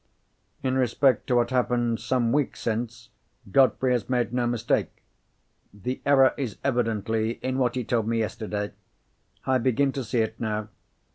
In respect to what happened some weeks since, Godfrey has made no mistake. The error is evidently in what he told me yesterday. I begin to see it now.